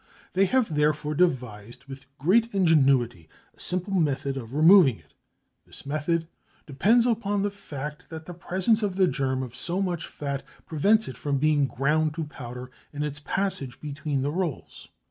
They have therefore devised with great ingenuity a simple method of removing it. This method depends on the fact that the presence in the germ of so much fat prevents it from being ground to powder in its passage between the rolls.